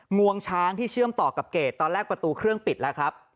งวงช้างที่เชื่อมต่อกับเกรดตอนแรกประตูเครื่องปิดแล้วครับ